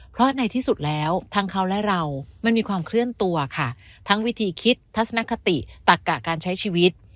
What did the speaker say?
เพราะในที่สุดแล้วทั้งเขาและเรามันมีความเคลื่อนตัวค่ะทั้งวิธีคิดทัศนคติตักกะการใช้ชีวิต